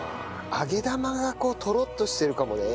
揚げ玉がトロッとしてるかもね。